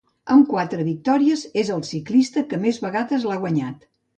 Amb quatre victòries, és el ciclista que més vegades l'ha guanyat.